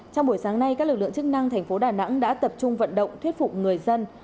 trong buổi sáng nay các lực lượng chức năng thành phố đà nẵng đã tập trung vận động thuyết phục người dân